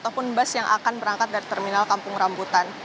dan juga pengecekan dari terminal kampung rambutan